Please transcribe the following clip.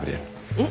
うん。